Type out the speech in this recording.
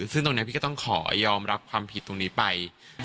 ซึ่งตรงนี้พี่ก็ต้องขอยอมรับความผิดตรงนี้ไป